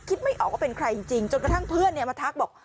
ไม่ออกว่าเป็นใครจริงจนกระทั่งเพื่อนมาทักบอก